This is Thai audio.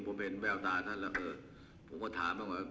ผมเห็นแววตาท่านแล้วก็ผมก็ถามบ้างว่า